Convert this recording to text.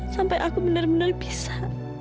sampai aku benar benar bisa